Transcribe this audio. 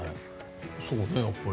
そうだよね、やっぱり。